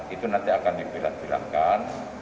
itu nanti akan dipilat pilankan